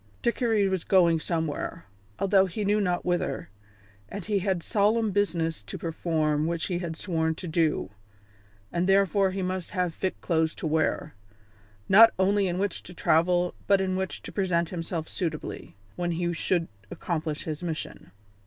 Dickory was going somewhere, although he knew not whither, and he had solemn business to perform which he had sworn to do, and therefore he must have fit clothes to wear, not only in which to travel but in which to present himself suitably when he should accomplish his mission.